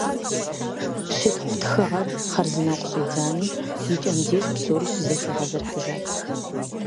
Щытхъу тхыгъэр хъарзынэу къыщӀидзами, и кӀэм деж псори щызэхигъэзэрыхьыжат.